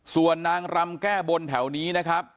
ส่วนนางรำแก้บนแถวนี้นะครับ